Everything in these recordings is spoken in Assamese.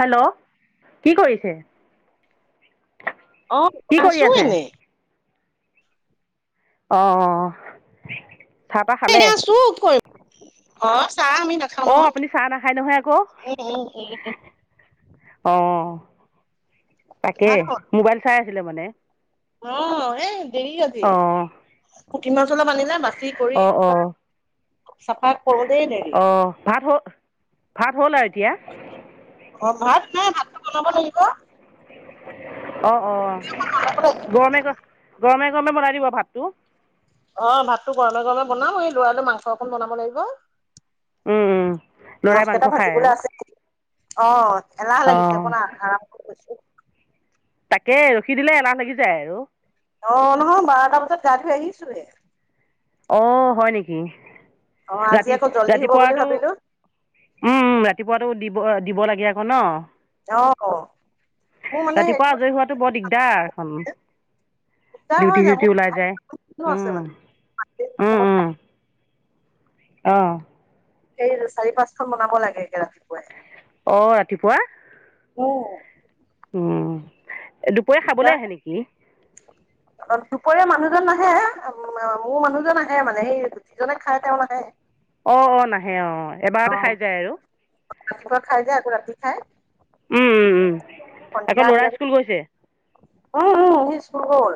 হেল্ল' কি কৰিছে? অ' কি কৰি আছো আছে এনে অ' চাহ তাহ এই খালে আছো কৈ অ' আপুনি চাহ নাখায় নহয় আকৌ উম উম উম অ' তাকে মোবাইল চাই আছিলে মানে অহ, এই দেৰি আজি অ পুঠি -মাছ অলপ আনিলে বাচি কৰি অ অ চাফা কৰোতেই দেৰি অ ভাত হ'ল ভাত হ'ল আৰু এতিয়া অহ, ভাত নাই, ভাতটো বনাব লাগিব। অ', -অ', গৰমে -গ -গৰমে-গৰমে বনাই দিব ভাত তো অহ, ভাতটো গৰমে-গৰমে বনাম এই ল'ৰালে মাংস অকণ বনাব লাগিব। উম-উম। মাছ কেইটা ভাজিবলৈ আছেই অহ এলাহ অ লাগিছে অকণ আৰাম কৰিছো। তাকে ৰখি দিলে এলাহ লাগি যায় আৰু অ', নহয় বাৰটা বজাত গা় ধুই আহিছোহে অ', হয় নেকি? অ আজি ৰাতি আকৌ জল্দি হ'ব বুলি ৰাতিপুৱাটো ভাবিলো উম- উম ৰাতিপুৱাটো দিব দিব লাগে আকৌ ন'? অ মোৰ [inaudible] মানে হেৰি ৰাতিপুৱা আজৰি হোৱাটো বৰ দিগদাৰ এখন দিগদাৰ হৈ যায় ডিউটি-চিউটি মোৰ ওলাই ভাত যায় আছে উম মানে [unintelligible] অহ', এই চাৰি- পাঁচ খন বনাব লাগে একে ৰাতিপুৱাই অহ, ৰাতিপুৱা অহ উম দুপৰীয়া খাবলৈ আহে নেকি [unintelligible] দুপৰীয়া মানুহ মানুহজন নাহে, মোৰ মানুহজন আহে মানে সেই যিজনে খাই তেওঁ নাহে। অঁ অঁ নাহে অঁ অ এবাৰতে খাই যায় আৰু ৰাতিপুৱা খাই যায় আকৌ ৰাতি খায়। উম -উম -উম আকৌ ল'ৰা স্কুল গৈছে? অহ - অহ হি স্কুল গল।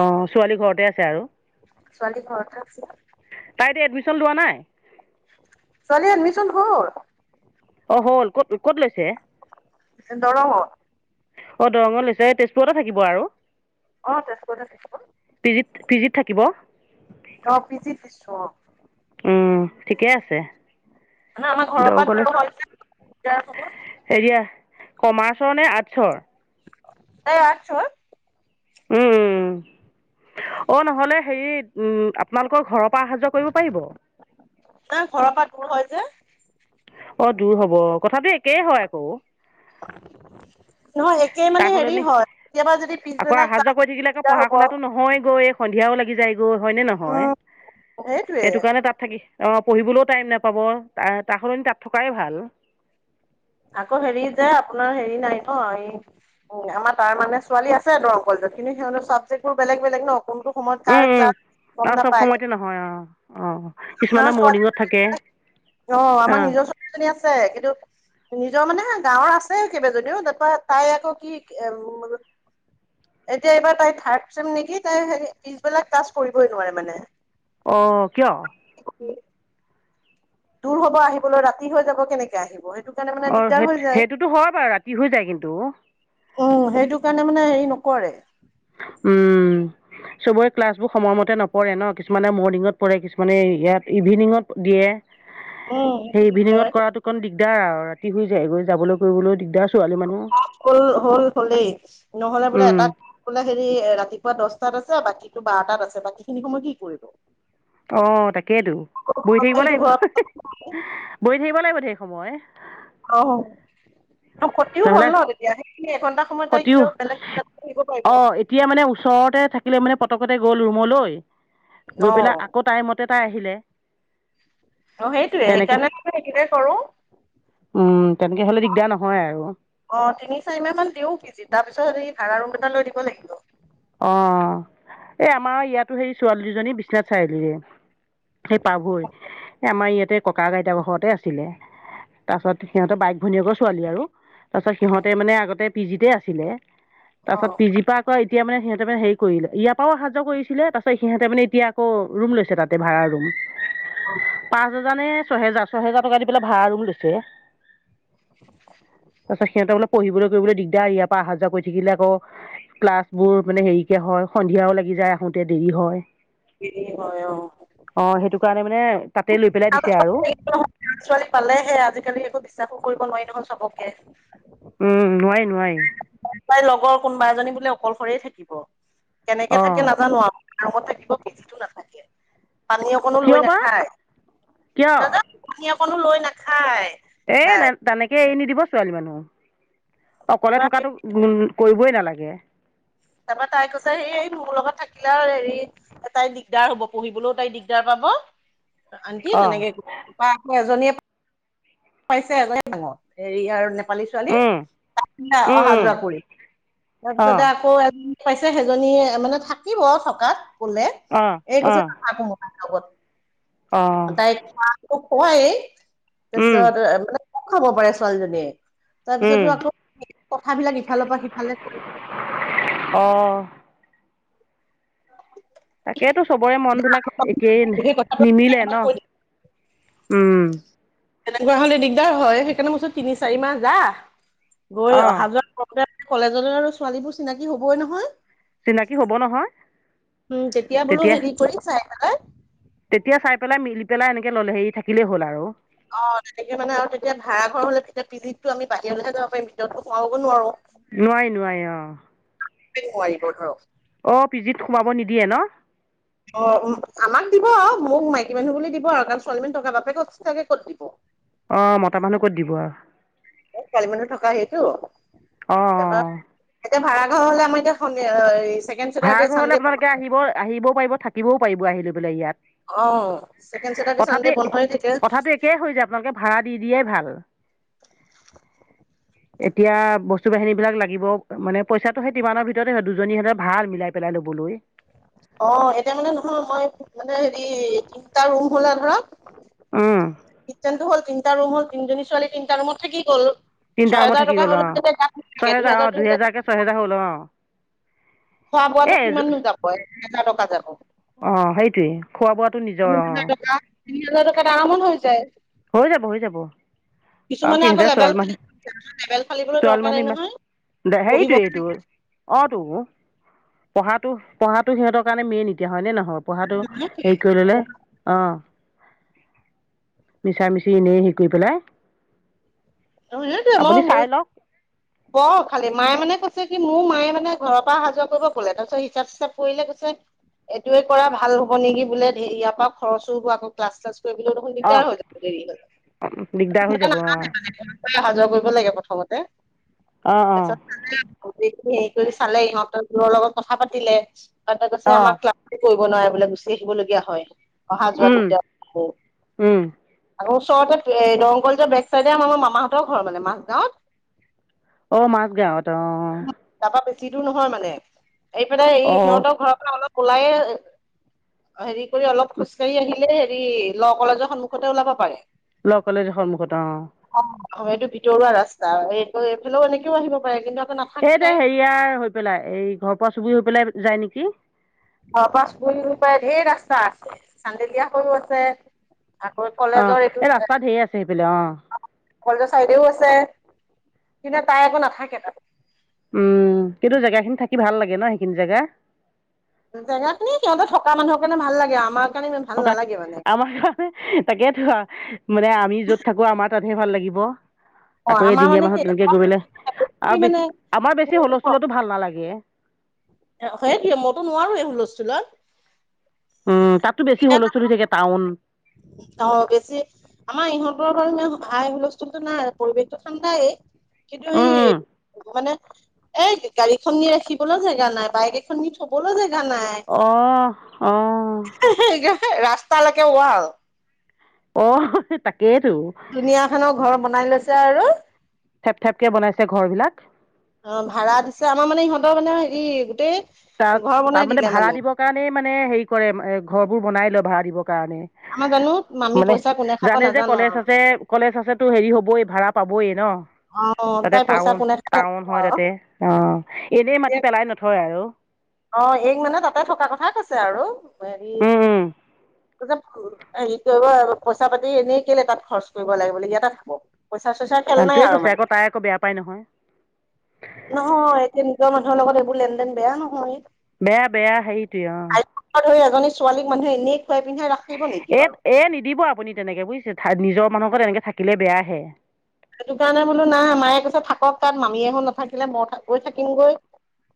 অহ, ছোৱালী ঘৰতে আছে আৰু। ছোৱালী ঘৰত থাকচিলা। তাই এতিয়া এডমিশন লোৱা নাই? ছোৱালী এডমিছন হ'ল। অহ, হ'ল ক'ত -ক'ত লৈছে? এ' দৰংত। অহ, দৰঙত লৈছে তেজপুৰতে থাকিব আৰু। অহ, তেজপুৰতে থাকিব। পি জি -পিজিত থাকিব। অহ, পিজিত দিছোঁ অহ। উম, ঠিকে আছে। মানে আমাৰ ঘৰৰ দৰং পা দূৰ কলেজ হয় যে দিগদাৰ হ'ব। হেৰিয়া কমাৰ্চৰ নে আৰ্টছৰ? তাই আৰ্টছৰ। উম-উম অ', নহ'লে হেৰিত উম তোমালোকৰ ঘৰৰ পা আহা যোৱা কৰিব পাৰিব? তাই ঘৰৰ পৰা দূৰ হয় যে অগ, দূৰ হব কথাটো একেই হয় আকৌ। নহয় একে মানে তাৰ হেৰি সলনি হয় কেতিয়াবা যদি আকৌ পিছবেলা আহা ক্লাছ যোৱা কৰি থাকিলে আকৌ দিগদাৰ পঢ়া- হ'ব শুনাতো নহয়ে গৈ। সন্ধিয়াও লাগি যায়গৈ হয়নে -নহয় উম সেইটোৱে সেইটো কাৰণে তাত থাকি অহ, পঢ়িবলৈও টাইম নেপাব তাৰ সলনি তাত থকাই ভাল। আকৌ হেৰি যে আপোনাৰ হেৰি নাই ন' এই উম, আমাৰ তাৰ মানে ছোৱালী আছে দৰং কলেজত কিন্তু সিহঁতৰ চাবজক্ট বোৰ বেলেগ- বেলেগ ন'কোনটো অসময়ত কাৰ ক্লাছ। গম আঁহ চব নাপায় সময়তে নহয় আঁহ অঁ কিছুমানে মৰ্ণিঙত থাকে। অঁ অ আমাৰ নিজৰ ছোৱালী জনী আছে কিন্তু। নিজৰ মানে গাঁৱৰ আছে কেইবাজনিওঁ তাৰপৰা তাই আকৌ কি এ এতিয়া এইবাৰ তাই থাৰড চেম নেকি তাই পিছবিলাক ক্লাচ কৰিবই নোৱাৰে মানে। অঁ কিয়? উম। দূৰ হব আহিবলৈ ৰাতি হৈ যাব কেনেকে আহিব সেইটো। কাৰণে মানে অঁ দিগদাৰ সেই হৈ যায় সেইটোতো হয় বাৰু ৰাতি হয় যায় কিন্তু। উম সেইটো কাৰণে মানে হেৰি নকৰে। উম। চবৰে ক্লাছ বোৰ সময়মতে নপৰে ন কিছুমানে মৰ্ণিঙত পৰে কিছুমানে ইয়াত ইভিনিঙত দিয়ে। উম সেই সেইটো ইভিনিঙত দিগদাৰ কৰাটো অকণ দিগদাৰ আৰু ৰাতি হৈ যায় গৈ যাবলৈ কৰিবলৈ দিগদাৰ ছোৱালী মানুহ হ'ল হ'ল হ'লেই নহলে বোলে উম, এটা বলে। হেৰি ৰাতিপুৱা দহটাত আছে আৰু বাকী বাৰটাত আছে বাকী খিনি সময় কি কৰিব। অঁ তাকেইেতো বহি থাকিব সেইটো লাগিব ঘৰৰ বহি থাকিব লাগিব থাক। সময়। আঁহ। ক্ষতিওঁ হল নহ'লে ন। তেতিয়া সেইখিনি এঘন্টা সময়ত তাই ক্ষতিও কিবা বেলেগ কিবা অ' আহিব পাৰিব। থিকে মানে পতকতে গ'ল ৰুমলৈ গৈ অ পেলাই আকৌ টাইমতে তাই আহিলে। অ সেইটোয়ে তেনেকে সেইকাৰণে সেইটোৱেই [unintelligible] কৰো উম তেনেকে হলে দিগদাৰ নহয় আৰু অঁ তিনি চাৰি মাহ মান দিওঁ কিজি তাৰ পিছত সেৰী ভাড়া ৰুম এটা লৈ দিব লাগিব [unintelligible] অঁ এই আমাৰ ইয়াতো সেই ছোৱালী দুজনী বিশ্বনাথ চাৰিআলিৰে। সেই পাভৈ আমাৰ ইয়াতে ককা আইতাঁসতে আছিলে তাৰপাছত সিহঁতৰ বাইক, ভনীয়েকৰ ছোৱালী আৰু তাৰপাছত সিহঁতে মানে আগতে পি জিতে আছিলে। অ তাৰপিছত পি জি পা আকৌ এতিয়া মানে সিহঁতে মানে হেৰি কৰিলে ইয়াৰ পৰাও অহাযোৱা কৰিছিলে তাৰপাছত সিহঁতে মানে এতি আকৌ ৰুম লৈছে ভাড়াৰ ৰুম পাঁচ হাজাৰ নে ছহেজাৰ ছহেজাৰ টকা দি পেলাই ভাড়া ৰুম লৈছে। তাৰ পাছত সিহঁতে বোলে পঢ়িবলে চহিবলৈ দিগদাৰ ইয়াৰ পৰা অ আহা যোৱা কৰি থাকিলে আকৌ ক্লাছ বোৰ মানে হেৰিকে হয় সন্ধিয়াওঁ লাগি যায় আহোতে দেৰি হয়। কি হয় অঁ। অ সেইটো কাৰণে মানে তাতে লৈ পেলাই দিছে আৰু ল ছোৱালী পালেহে আজিকালি একো বিশ্বাসো কৰিব নোৱাৰি চবকে উম নোৱাৰি নোৱাৰি। তাই লগৰ কোনোবা এজনী বোলে অকলশৰেই থাকিব। কেনেকে অ থাকে নাজানো আঙত থাকিব বোলে নাথাকে পানী অকনো কিয় লৈ বা নাখায়? কিয় অকণো লৈ নাখায়। এ ন তাই তেনেকে এৰি নিদিব ছোৱালী মানুহ অকলে থকাতো কৰিবই নালাগে। তাৰপৰা তাই কৈছে এই মোৰ লগত থাকিলে আৰু হেৰি। তাই দিগদাৰ হ'ব পঢ়িবলৈও তাই দিগদাৰ পাব আণ্টি অ তেনেকে আছে এজনীয়ে। পাইছে আ ডাঙৰ হৰি আৰু ছোৱালী ছোৱালী উম উম অহা উম যোৱা কৰিম অ তাৰপিছতে আকৌ এ পাইছে সেইজনী মানে থাকিব থকাত কলে অ এই অ কৈছে নাথাকো অ লগত তাই খোৱাই উম তাৰপিছত মানে খাব পাৰে ছোৱালীজনীয়ে তাৰ উম পিছতো আকৌ কথাবিলাক ইফালৰ পৰা সিফালে কৰি অ তাকেইতো চবৰে মন বিলাক একেই সেই কথাটো নিমিলে ন কৈ উম। তেনেকুৱা হলে দিগদাৰ হয় সেইকাৰণে মচো তিনি চাৰি মাহ যা গৈ অ অহা যোৱা কৰোতে [unintelligible] কলেজলৈ আৰু ছোৱালীবোৰ চিনাকি হবই নহয়। চিনাকি হব নহয়। উম যেতিয়া বোলো তেতিয়া হেৰি কৰিম চাই পেলা [unintelligible] তেতিয়া চাই পেলাই মিলি পেলাই এনেকে ল'লে হেৰি থাকিলেই হ'ল আৰু। অ তেনেকে মানে আৰু তেতিয়া ভাড়াঘৰ হলে তেতিয়া পিলিত আমি বাহিৰে বাহিৰে যাব পাৰিম ভিতৰতো হোমাবগে নোৱাৰো [unintelligible] নোৱাই নোৱাই আহ [unintelligible] নোৱাৰিব ধৰক। অঁ পিজিত সোমাব নিদিয়ে ন। অ আমাক দিব মোক মাইকী মানুহ বুলি দিব আৰু কাৰণ ছোৱালীমানুহ টকা বাপেকে ক'ত চাগে ক'ত দিব [unintelligible] অ, মতা মানুহ ক'ত দিব আৰু। এই ছোৱালী মানুহে থকা সেইটো অ' অ' এতিয়া ভাড়া [unintelligible] নহ'লে আমাৰ এতিয়া এই [unintelligible] ভাড়া ঘৰলে আপোনালোকে আহিব আহিবও পাৰিব থাকিবও পাৰিব আহি লৈ পেলাই ইয়াত অ', ছেকেণ্ড [unintelligible] চেটাৰডে কথাটো চানডে বন্ধ হৈ থাকে। কথাটো একেই হৈ যায় আপোনালোকে ভাড়া দি দিয়ে ভাল [unintelligible] [inaudible] এতিয়া বস্তু বাহিনী বিলাক লাগিব মানে পইচাটো সেই তিমানৰ ভিতৰ দুজনীহেঁতেৰ [unintelligible] ভাল মিলাই পেলাই ল'বলৈ [unintelligible] অ এতিয়া মানে নহয় মই মানে হেৰি তিনিটা ৰুম হলে ধৰক [unintelligible] উম। কিটচনটো হ'ল তিনিটা ৰুম হ'লতিনিজনী ছোৱালী তিনিটা ৰুমত থাকি গ'ল। তিনিটা ৰুমত ছয়হেজাৰ থাকি টকা গ'ল অ' হলেও ছহেজাৰ অ' দুহেজাৰ দু। দুহেজাৰকৈ ছহেজাৰ হ'ল অ' খোৱা বোৱা এই কিমাননো যাব একহেজাৰ টকা যাব। অ' সেইটোৱে খোৱা বোৱাটো নিজৰ তিনি হাজাৰ অ' টকা, তিনি হাজাৰ টকা দত হৈ যায়। হৈ যাব হৈ যাব আৰু কিছুমানে আকৌ সিহঁতেৰ লেবেল ছোৱালী ফালি মানুহ। লেবেল ফালিবলৈ দৰকাৰ নাই ছোৱালীজনী নহয় ম পঢ়িব হেৰিটোৱেই তোৰ অ তোক। পঢ়াটো, পঢ়াতো সিহঁতৰ কাৰণে মেইন এতিয়া হয় নে নহয়। অ পঢ়াটো হেৰি কৰি ললে অ। মিছা মিছি এনেই হে কৰি পেলাই। অ' [unintelligible] হিয় মন আপুনি ম চাই লওক পঢ় খালি, মায়ে মানে কৈছে কি মোৰ মায়ে মানে ঘৰৰ পৰা সাজোৱা কৰিব পলে তাৰপিছত হিচাপ চিচাপ কৰিলে কৈছে। এইটোয়ে কৰা ভাল হ'ব নেকি বোলেয় পৰা খৰচো হ ক্লাছ্লাছ। তাৰ হৈ অঁ দিগদাৰ হৈ যাব অঁ [unintelligible] স যোৱা কৰিব লাগে প্ৰথমতে অঁ তাৰ। হেৰি কৰি চালে সিহঁতৰবোৰৰ লগত কথা পাতিলে আৰু কৈছে অঁ আমাৰ ক্লাছ। কৰিব নোৱাৰে বোলে গুচি আহিবলগীয়া হয় অহা যোৱা তেতিয়া। অঁ ঘৰ ওচৰতে দৰংকল বেক চাইডে আমাৰ ম মামাহঁতৰ ঘৰ মানে মাজছগাঁৱত। অ আমাৰ গাঁও অ। তাৰপৰা বেছি দূৰ নহয় মানে, এইফালে এই অঁ সিহঁতৰ ঘৰৰ পৰাে অলপ। উলাই য়ে হেৰি কৰি অলপ খোজকাঢ়ি আহিলে। ল কলেজৰ সন্মুখতে ওলাব পাৰে। ল কলেজৰ সন্মুখত অ। অ, এইটো ভিতৰুৱা ৰাস্তা এইটো এইফালেও এনেকেও আহিব পাৰে কিন্তু। এই নাথাকে এয়া তাই। হেৰিয়াৰ হৈ পেলাই এই ঘৰ পৰা চুবুৰ হৈ পেলাই যায় নেকি। অ পাছ পুৰি পায় ঢেৰ ৰাস্তা আছে চান্দেলিয় হৈও আছে [unintelligible] আকৌ অঁ কলেজৰ এইটো। এই ৰাস্তাত ধেৰ আছে সেইফালে অঁ কলেজৰ চাইডেও আছে, কিন্তু তাই একো নাথাকে তাত। উম, কিন্তু জেগাখিনি থাকি ভাল লাগে ন সেইখিনি জেগা। জেগাখিনিত সিহঁতে থকা মানুহৰ কাৰণে ভাল লাগে আমাক। থকা আমাৰ কাৰণে তাকে থ মানে আমি যত থাকো আমাৰ তাত ভাল লাগিব অ আকৌ আমাৰ এদিনীয়া মানে মাহত কি তেনেকে গৈ পেলে আৰু বেছি মানে আমাৰ বেছি হুলস্থুলতো ভাল নালাগে সেইটোৱে মইতো নোৱাৰো এই হুলস্থুলত উম তাততো বছি হূলস্থুল হৈ থাকে টাউন অ বেছি আমাৰ ইহঁতৰ বাৰু হাই হুলস্থুলতো নাই পৰিৱেশতটো ঠাণ্ডাই কিন্তু উম ই উম মানে এ গাড়ীখন নি ৰাখিবলৈ জেগা নাই বাইক এখন নি থবলৈ জেগা গা নাই অঁ অঁ ৰাস্তালৈকে ওৱাল আও অ তাক ধুনীয়া খনৰ ঘৰ বনাই লৈছে আৰু থেপ থেপকে বনাইছে ঘৰ বিলাক অ ভাড়া দিছে আমাৰ মানে ইহঁতৰ মানে ই গোটেই তাত ঘৰ তাত বনাই মানে দিলে ভাড়া দিবৰ কাৰণে মানে হেৰি কৰে ঘৰবোৰ বনাই লয় ভা়ড়া দিব কাৰণে আমাৰ জানো মামী মানে পইচা কোনে খাব জানে যে নাজানো কলেজ আৰু। আছে কলেজ আছেতো হেৰি হবই ভাড়া পাবই ন অ', তাতে তাই পইচা টাউন কোনে খাই টাউন নাজানো হয় আৰু। তাতে অ এনে মাতি পেলাই নথয় আৰু অ এই মানে তাতে থকা কথা কৈছে আৰু হেৰি এতিয়া হেৰি কৰিব আৰু পইচা পাতি এনেই কেলে তাত খৰচ কৰিব লাগে বোলে ইয়াতে থাকক পইচা চইছাৰ খেল নাই সেইটোৱে আৰু কৈছে মানে আকৌ তাই আকৌ বেয়া পাই নহয় মোৰ লেন দেন বেয়া নহয় বেয়া বেয়া সেইটোৱে অ আইফোন ধৰি এজনী ছোৱালীক মানুহ এনেই খুৱাই পিন্ধাই ৰাখিব নেকি এইক বাৰু। এ নিদিব আপুনি তেনেকে বুইছে নিজৰ মানুহৰ ঘৰত এনেকে থাকিলে বেয়াহে সেইটো কাৰণে বোলো না মায়ে কৈছে থাকক তাত মামীয়েহত নাথাকিলে মই তাতে থাকিমগৈ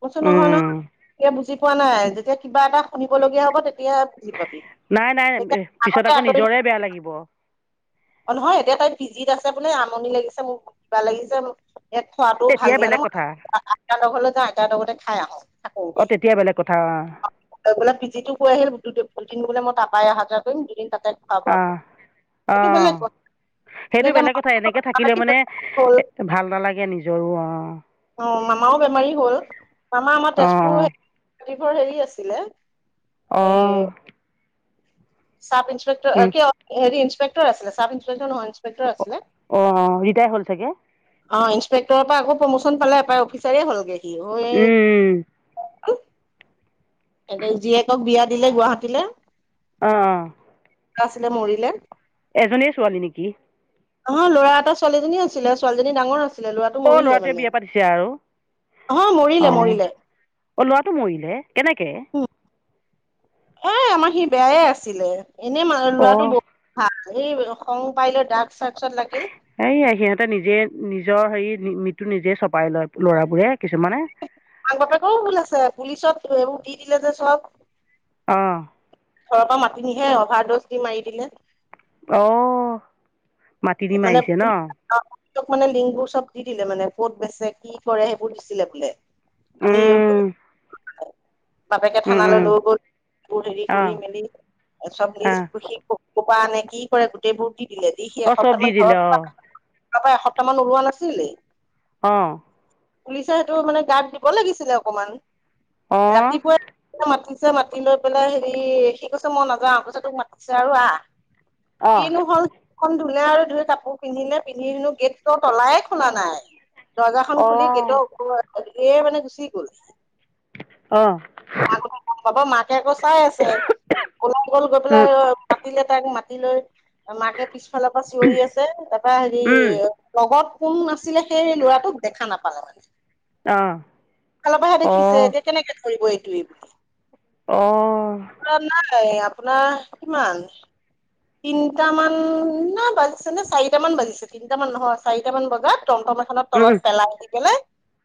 কইছো নহয় উম নহ তই বুজি পোৱা নাই যেতিয়া কিবা এটা শুনিবলগীয়া হব তেয়া এতিয়া বুজি পাবি নাই নাই তেতিয়া পিছত আগতে আকৌ আঁতৰি থ নিজৰে বেয়া লাগিব অ নহয় এতিয়া তাইত পিজিত আছে বোলে আমনি লাগিছে মোক কিবা লাগিছে মোক ইয়াত থোৱাটো ভাল তেতিয়া দিয়ে ন বেলেগ মই কথা আইতাৰ হতৰ ঘৰলৈ যা আইতাৰ লগতে থাক আ থাকোংগে অঁ তেতিয়া বেলেগ কথা অঁ পিজি টো গৈ আহিলো পি জিটো এইকেইদিন বোলে মই তাপাই অহা যোৱা কৰিম দুদিন তাতে থকা খোৱা কৰিম অ সেইটো বেলেগ কথা সেইটো বেলেগ কথা এনেকে থাকিলে কিন্তু মানে এতিয়া হ'ল ভাল নালাগে নিজ ঘৰুৱা অ অ মামাও বেমাৰী হ'ল মামা আমাৰ অঁ তেজপুৰ টোভে হেৰি আছিলে এই অহ চাব ইন্সপেক্টৰ অ কি হৰি ইন্সপেক্টৰ আছিলে চাব ইন্সপেক্টৰ নহয় ইন্সপেক্টৰ আছিলে অ অ ৰিটাই হ'ল চাগে অ ইন্সপেক্টৰ পৰা আকৌ প্ৰমোচন পালে এপাই অফিচাৰে হ'লগে সি অ মানে অ' কি এ জীয়েকক বিয়া দিলে গুৱাহাটীলে অহ অহ আছিলে মৰিলে এজনিয়ে ছোৱালী নিকি অহ ল'ৰা এটা ছোৱালীজনী আছিলে ছোৱালীজনী ডাঙৰ আছিল অ ল'ৰাটোৱে বিয়া পাতিছে আৰু অ মৰিলে অ মৰিলে অ লৱাটো মৰিলে কেনেকে এ আমাৰ সি বেয়াই আছিলে এনে মা লৰাটো অ' বহুত ভাল এই সং পাই লৈ ড্ৰাগছ চাৰ্চত লাগিল তে নিজে নিজৰ হেৰি মৃত্যু নিজে চপাই লয় লৰাবোৰে কিছুমানে মাক বাপেকৰও ভুল আছে পুলিচত এইবোৰ দি দিলে যে চব আহ ঘৰৰ পৰা মাতি নিহে অভাৰ দজ দি মাৰি দিলে [unintelligible] আহ মাতি দি মানে মাৰিছে ন পুলিচক মানে লিংকবোৰ চব দি দিলে মানে ক'ত বেচে কি কৰে সেইবোৰ দিছিলে বোলে আমি উম, বাপেকে উম, থানালৈ উম, লৈ গল হেৰি কৰি অ' মেলি চব নিজ অ' ক'পা আনে কি কৰে গোটেইবোৰ দি দিলে দি সি অ' এসত চব দি দিলে অ তাপা এসপ্তাহ মান ওলোৱা নাছিলে আহ পুলিচে সেইটো মানে গাত দিব লাগিছিলে অকমান অ' ৰাতিপুৱাই মাতি [unintelligible] মাতি লৈ পেলাই হেৰি সি কৈছে মই নাযাও কৈছে তোক মাতিছে আৰু আহ অ' কিনো হল মুখখন ধুলে আৰু কাপোৰ পিন্ধিলে পিন্ধি হেনো গেটৰ তলাই খুলা নাই দৰ্জাখন অ' খুলি গেটৰ অ' ওপৰ সেই মানে গুচি গ'ল [unintelligible] আগতে হাব ম [unintelligible] কে আকৌ চাই আছে কলা কল গৈ উম, পেলাই মাতিলে তাইক মাতি তিলৈ মাকে পিছফালৰ পৰা চিঞৰি আছে তাৰপৰা হেৰি উম, লগত কোন আছিলে সে সেই ল'ৰাটোক দেখা নাপালে মানে [unintelligible] অ' পিছফালৰ পৰাহে দেখিছে এতিয়া কেনেকে ধৰিব এইটোৱেই বুলি। অহ। এয়া আপোনাৰ কিমান তিনটা মানুহ ন বাজিছে নে চাৰিট মান বাজিছে তিনটা মান নহয় চাৰিটা মান বজাত টমটম এখনৰ উম উম তলত পেলাই আহি পেলাই